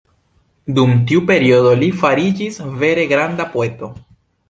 Dum tiu periodo li fariĝis vere granda poeto.